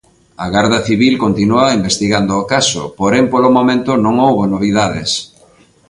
A garda civil continúa investigando o caso, porén polo momento non houbo novidades.